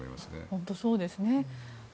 本当にそうですね。